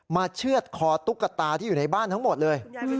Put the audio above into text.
เชื่อดคอตุ๊กตาที่อยู่ในบ้านทั้งหมดเลย